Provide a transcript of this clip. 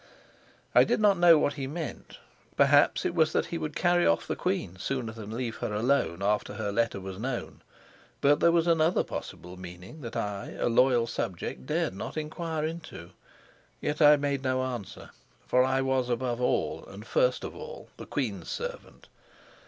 I did not know what he meant; perhaps it was that he would carry off the queen sooner than leave her alone after her letter was known; but there was another possible meaning that I, a loyal subject, dared not inquire into. Yet I made no answer, for I was above all and first of all the queen's servant.